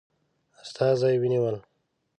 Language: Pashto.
استازي ونیول.